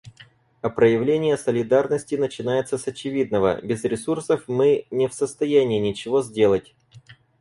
А проявление солидарности начинается с очевидного: без ресурсов мы не в состоянии ничего сделать.